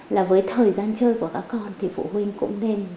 là với thời gian chơi của các con thì phụ huynh cũng nên